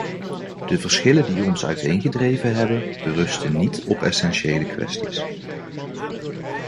De verschillen die ons uiteengedreven hebben, berusten niet op essentiële kwesties.